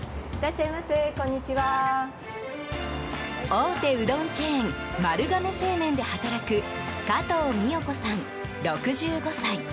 大手うどんチェーン丸亀製麺で働く加藤美代子さん、６５歳。